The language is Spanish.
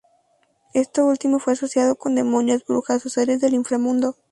Esto último fue asociado con demonios, brujas o seres del Inframundo.